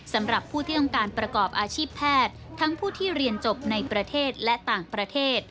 สำหรับผู้ที่ต้องการประกอบอาชีพแพทย์ทั้งผู้ที่เรียนจบในประเทศและต่างประเทศ